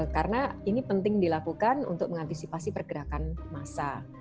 karena ini penting dilakukan untuk mengantisipasi pergerakan massa